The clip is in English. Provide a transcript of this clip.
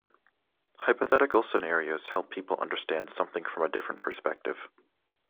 Hypothetical scenarios help people understand something from a different perspective.